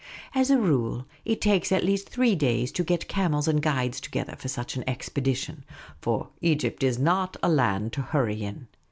As a rule, it takes at least three days to get camels and guides together for such an expedition ; for Egypt is not a land to hurry in.